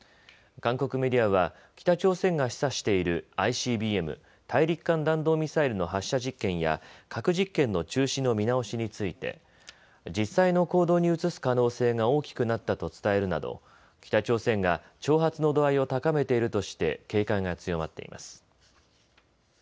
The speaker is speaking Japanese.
韓国メディアは北朝鮮が示唆しているＩＣＢＭ・大陸間弾道ミサイルの発射実験や核実験の中止の見直しについて実際の行動に移す可能性が大きくなったと伝えるなど、北朝鮮が挑発の度合いを高めているとして警戒が強まっています。